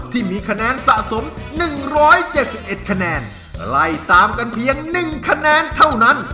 ที่มีคะแนนสะสมหนึ่งร้อยเจ็ดสิบเอ็ดคะแนนไล่ตามกันเพียงหนึ่งคะแนนเท่านั้น